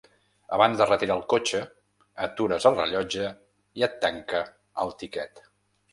Abans de retirar el cotxe atures el rellotge i et tanca el tiquet.